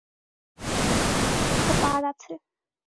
কিন্তু সকল দুঃখেরই একটা পার আছে।